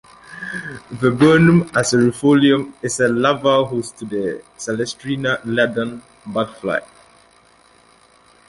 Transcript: "Viburnum acerifolium" is a larval host to the "Celastrina ladon" butterfly.